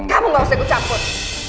kamu gak usah ikut campur